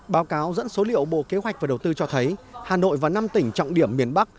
báo cáo dẫn số liệu bộ kế hoạch và đầu tư cho thấy hà nội và năm tỉnh trọng điểm miền bắc